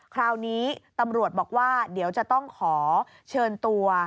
คราวนี้ตำรวจบอกว่าเดี๋ยวจะต้องขอเชิญตัว